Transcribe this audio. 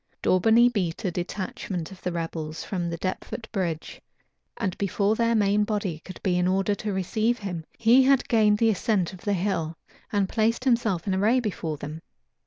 Daubeney beat a detachment of the rebels from Deptford bridge; and before their main body could be in order to receive him, he had gained the ascent of the hill, and placed himself in array before them.